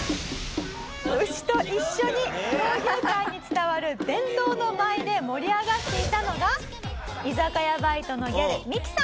牛と一緒に闘牛界に伝わる伝統の舞で盛り上がっていたのが居酒屋バイトのギャルミキさん。